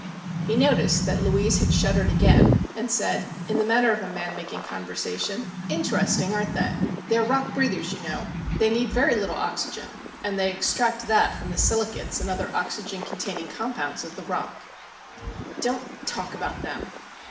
He noticed that Louise had shuddered again, and said, in the manner of a man making conversation, "Interesting, aren't they? They're rock breathers, you know. They need very little oxygen, and they extract that from the silicates and other oxygen containing compounds of the rock." "Don't talk about them."